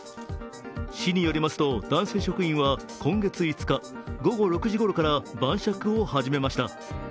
市によりますと男性職員は今月５日午後６時ごろから晩酌を始めました。